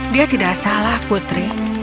dia tidak salah putri